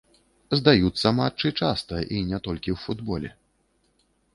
Здаюцца матчы часта, і не толькі ў футболе.